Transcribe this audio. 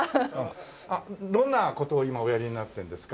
あっどんな事を今おやりになってるんですか？